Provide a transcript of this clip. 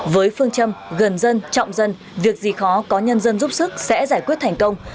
với phương châm gần dân trọng dân việc gì khó có nhân dân giúp sức sẽ giải quyết thành công